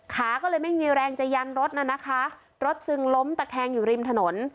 ขาก็เลยไม่มีแรงจะยันรถน่ะนะคะรถจึงล้มตะแคงอยู่ริมถนน